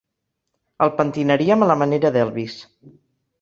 El pentinaríem a la manera d'Elvis.